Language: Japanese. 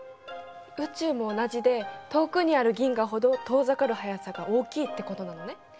宇宙も同じで遠くにある銀河ほど遠ざかる速さが大きいってことなのね。